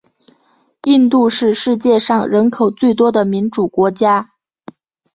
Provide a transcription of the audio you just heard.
印度是世界上人口最多的民主国家。